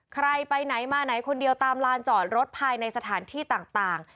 ใครไปไหนมาไหนคนเดียวตามลานจอดรถภายในสถานที่ต่าง